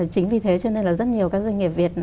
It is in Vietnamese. chính vì thế cho nên là rất nhiều các doanh nghiệp việt